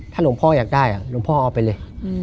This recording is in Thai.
หลวงพ่ออยากได้หลวงพ่อเอาไปเลย